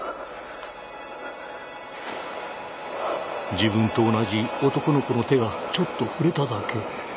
自分と同じ男の子の手がちょっと触れただけ。